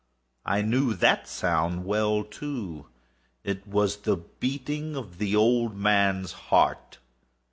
I knew that sound well, too. It was the beating of the old man's heart.